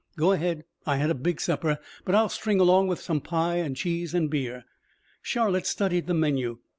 "Go ahead. I had a big supper, but I'll string along with some pie and cheese and beer." Charlotte studied the menu.